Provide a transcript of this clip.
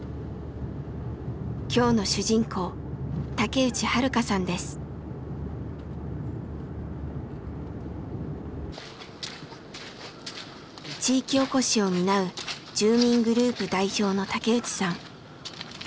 今日の主人公地域おこしを担う住民グループ代表の竹内さん。